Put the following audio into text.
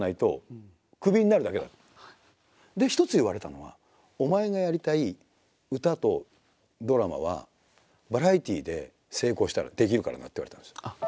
で一つ言われたのが「お前がやりたい歌とドラマはバラエティーで成功したらできるからな」って言われたんですよ。